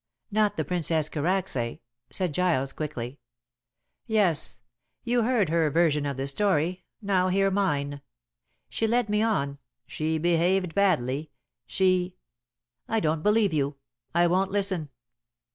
"Not the Princess Karacsay," said Giles quickly. "Yes. You heard her version of the story, now hear mine. She led me on, she behaved badly, she " "I don't believe you. I won't listen."